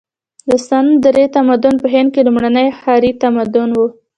د سند درې تمدن په هند کې لومړنی ښاري تمدن و.